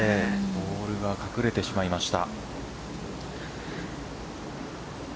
ボールが隠れてしまいました。